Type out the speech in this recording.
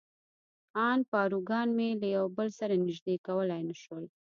ان پاروګان مې یو له بل سره نژدې کولای نه شول.